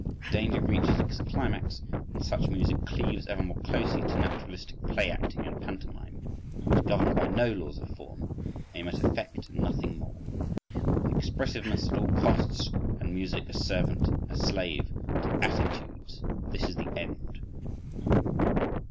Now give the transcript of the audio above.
… The danger reaches its climax when such music cleaves ever more closely to naturalistic play acting and pantomime, which governed by no laws of form, aim at effect and nothing more.… Expressiveness at all costs and music a servant, a slave to attitudes—this is the end.